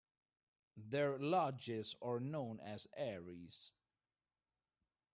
Their lodges are known as aeries.